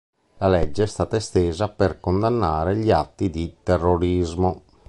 La legge è stata estesa per condannare gli atti di terrorismo.